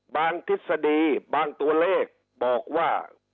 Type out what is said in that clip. บางทิศดีบางตัวเลขบอกว่า